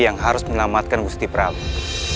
yang harus menyelamatkan gusti prabu